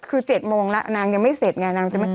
คือ๗โมงแล้วนางยังไม่เสร็จไง